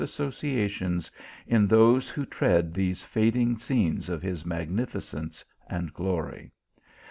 associations in those who tread these fading scenes of his magnificence and glory.